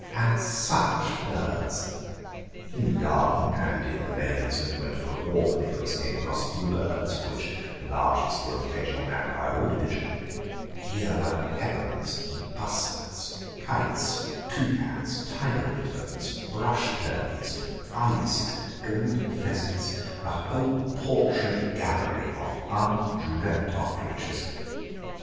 And such birds! In the garden, and in the lanes when he went for a walk, Nicholas came across a few birds, of which the largest were an occasional magpie or wood pigeon; here were herons and bustards, kites, toucans, tiger bitterns, brush turkeys, ibises, golden pheasants, a whole portrait gallery of undreamed of creatures.